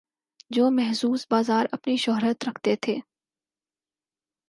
جو مخصوص بازار اپنی شہرت رکھتے تھے۔